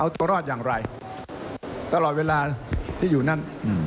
เอาตัวรอดอย่างไรตลอดเวลาที่อยู่นั่น